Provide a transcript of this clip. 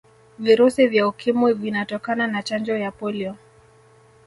virusi vya ukimwi vinatokana na Chanjo ya polio